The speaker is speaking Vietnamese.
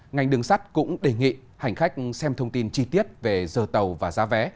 ngành đường sắt cũng đề nghị hành khách xem thông tin chi tiết về giờ tàu và giá vé